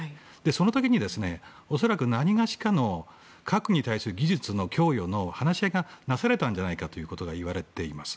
その時に恐らく、何がしかの核に対する技術の供与の話し合いがなされたんじゃないかということがいわれています。